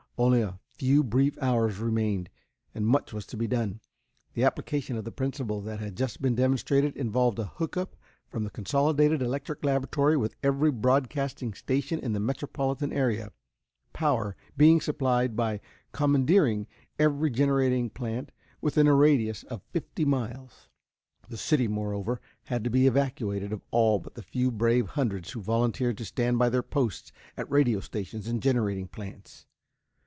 Only a few brief hours remained, and much was to be done. The application of the principle that had just been demonstrated involved a hook up from the Consolidated Electric laboratory with every broadcasting station in the metropolitan area, power being supplied by commandeering every generating plant within a radius of fifty miles. The city, moreover, had to be evacuated of all but the few brave hundreds who volunteered to stand by their posts at radio stations and generating plants.